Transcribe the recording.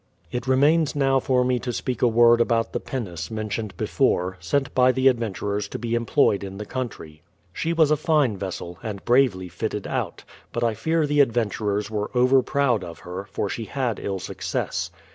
It remains now for me to speak a word about the pin nace mentioned before, sent by the adventurers to be em ployed in the country. She was a fine vessel, and bravely fitted out; but I fear the adventurers were over proud of her, for she had ill success.